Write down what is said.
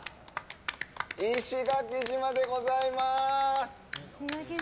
石垣島でございます！